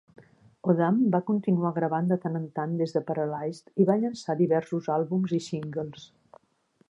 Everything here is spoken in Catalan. Odam va continuar gravant de tant en tant des de "Paralyzed" i va llançar diversos àlbums i singles.